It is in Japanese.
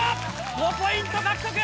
５ポイント獲得！